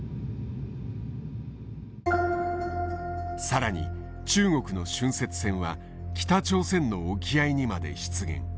更に中国の浚渫船は北朝鮮の沖合にまで出現。